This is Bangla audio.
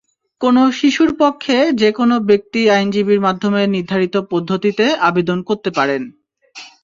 কোনো শিশুর পক্ষে যেকোনো ব্যক্তি আইনজীবীর মাধ্যমে নির্ধারিত পদ্ধতিতে আবেদন করতে পারেন।